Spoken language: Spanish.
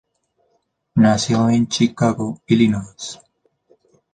Nació en Chicago, Illinois.